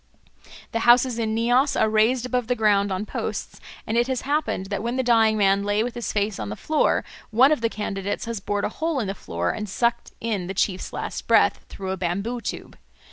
The houses in Nias are raised above the ground on posts, and it has happened that when the dying man lay with his face on the floor, one of the candidates has bored a hole in the floor and sucked in the chief's last breath through a bamboo tube.